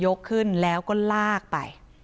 ขึ้นแล้วก็ลากไป